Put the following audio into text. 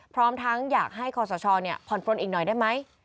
พร้อมทั้งอยากให้คอสชผ่อนปลนอีกหน่อยได้ไหม